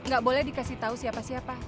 gak boleh dikasih tahu siapa siapa